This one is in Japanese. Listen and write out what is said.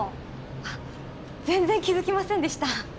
あっ全然気づきませんでした